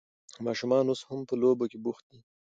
ماشومان اوس هم په لوبو کې بوخت دي.